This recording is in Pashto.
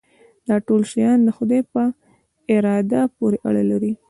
دا ټول شیان د خدای په اراده پورې اړه لري.